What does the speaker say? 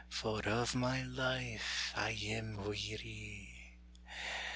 For of my life I am wearie.